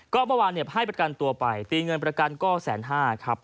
ก็เมื่อวานให้ประกันตัวไปตีเงินประกันก็๑๕๐๐ครับ